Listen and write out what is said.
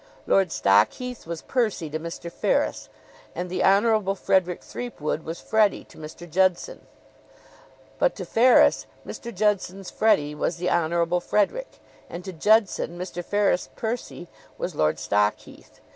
Lord Stockheath was Percy to Mr. Ferris, and the Honorable Frederick Threepwood was Freddie to Mr. Judson; but to Ferris, Mr. Judson's Freddie was the Honorable Frederick, and to Judson Mr. Ferris' Percy was Lord Stockheath.